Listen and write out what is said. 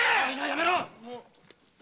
やめろっ！